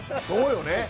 そうよね。